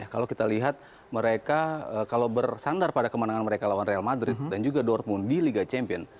kalau kita lihat mereka kalau bersandar pada kemenangan mereka lawan real madrid dan juga dortmund di liga champion